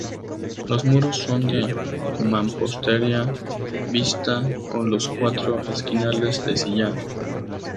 Los muros son de mampostería vista con los cuatro esquinales de sillar.